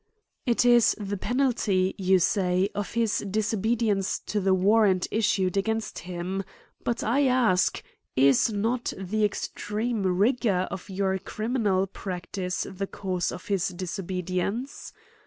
It is the penalty, you say, of his disobedience to the warrant issued against him — But, I ask^ is not the extreme rigor of your criminal practice, the cause of his disobedience